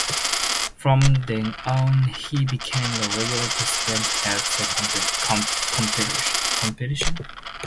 From then on, he became a regular participant at the competitions.